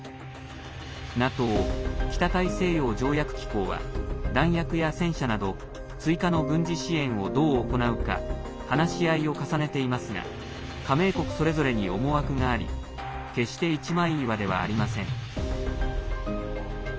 ＮＡＴＯ＝北大西洋条約機構は弾薬や戦車など追加の軍事支援をどう行うか話し合いを重ねていますが加盟国それぞれに思惑があり決して一枚岩ではありません。